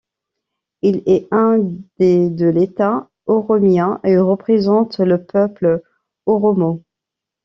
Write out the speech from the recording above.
Il est un des de l'État Oromia et représente le peuple Oromo.